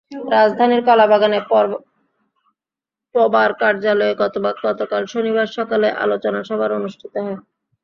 রাজধানীর কলাবাগানে পবার কার্যালয়ে গতকাল শনিবার সকালে আলোচনা সভাটি অনুষ্ঠিত হয়।